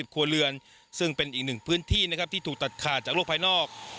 ครัวเรือนซึ่งเป็นอีกหนึ่งพื้นที่นะครับที่ถูกตัดขาดจากโลกภายนอก